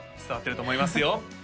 伝わってると思いますよ